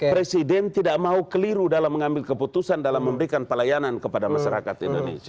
presiden tidak mau keliru dalam mengambil keputusan dalam memberikan pelayanan kepada masyarakat indonesia